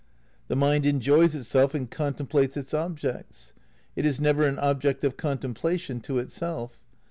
"" The mind enjoys it self and contemplates its objects." It is never an ob ject of contemplation to itself.